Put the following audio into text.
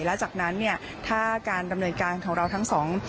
และจากนั้นเนี่ยถ้าการดำเนินการของเราทั้งสอง